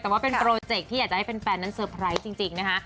แต่ว่าเป็นโปรเจคที่อยากจะให้แฟนนั้นเซอร์ไพรส์จริงนะคะ